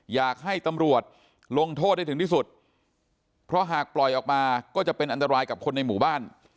อยากให้ตำรวจลงโทษให้ถึงที่สุดเพราะหากปล่อยออกมาก็จะเป็นอันตรายกับคนในหมู่บ้าน